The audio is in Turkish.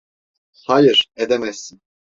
Hayır, edemezsin.